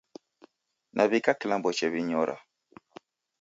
Nawika kilambo chew'inyora